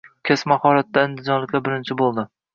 Kasb mahoratida andijonliklar birinchi bo‘lding